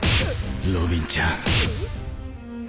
ロビンちゃん